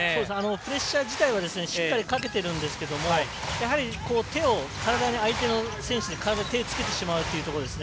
プレッシャー自体はしっかりかけているんですけどやはり、手を相手選手の体につけてしまうというところですね。